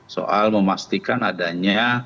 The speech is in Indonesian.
soal memastikan adanya